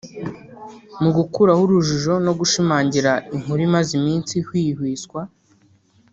Mu gukuraho urujijo no gushimangira inkuru imaze iminsi ihwihwiswa